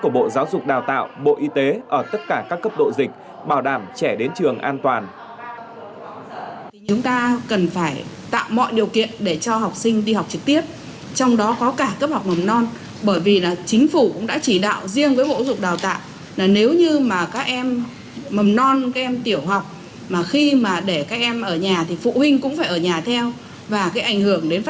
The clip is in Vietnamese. bộ giáo dục đào tạo bộ y tế ở tất cả các cấp độ dịch bảo đảm trẻ đến trường an toàn